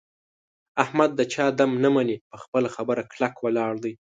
احمد د چا دم نه مني. په خپله خبره کلک ولاړ دی.